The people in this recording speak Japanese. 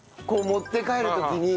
持って帰る時に。